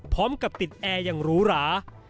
พร้อมกับติดแอร์อย่างหรูหรา